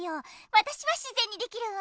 わたしはしぜんにできるわ。